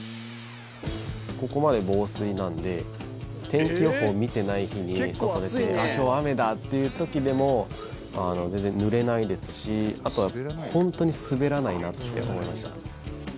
ここまで防水なので天気予報、見ていない日に外出て今日、雨だっていう時でも全然ぬれないですし本当に滑らないなって思いました。